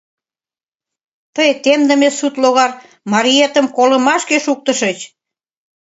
Тый темдыме сут логар, мариетым колымашке шуктышыч!